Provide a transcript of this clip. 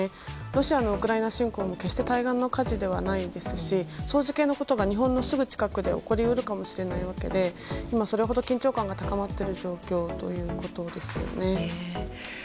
ロシアのウクライナ侵攻も決して対岸の火事ではないですしそういうことが日本のすぐ近くで起こり得るわけで今それほど緊張感が高まっている状況ということですね。